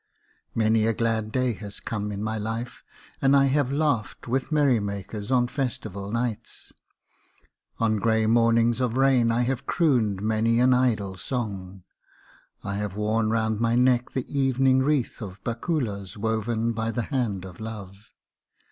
Many a glad day has come in my life, and I have laughed with merrymakers on festival nights. On grey mornings of rain I have crooned many an idle song. I have worn round my neck the evening wreath of bakulas woven by the hand of love.